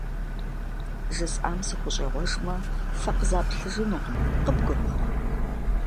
ЖысӀам сыхущӀегъуэжмэ фэ къызаплъыжынукъым, къыбгурыӀуэрэ?